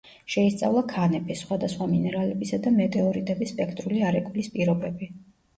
შეისწავლა ქანების, სხვადასხვა მინერალებისა და მეტეორიტების სპექტრული არეკვლის პირობები.